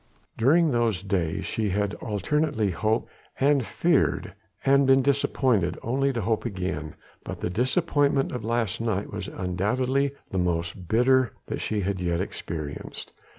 During those days she had alternately hoped and feared and been disappointed only to hope again: but the disappointment of last night was undoubtedly the most bitter that she had yet experienced.